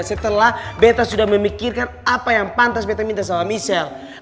setelah beta sudah memikirkan apa yang pantas beta minta sama michelle